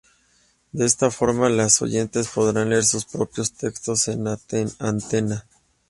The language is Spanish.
De esta forma, las oyentes podrían leer sus propios textos en antena.